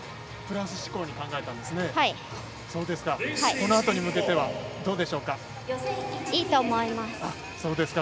このあとに向けてどうですか。